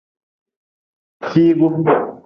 Figu.